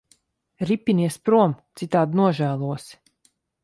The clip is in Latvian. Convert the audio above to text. Ripinies prom, citādi nožēlosi.